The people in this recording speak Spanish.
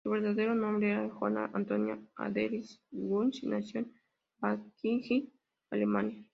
Su verdadero nombre era Johanna Antonia Adelheid Günther, y nació en Bad Kissingen, Alemania.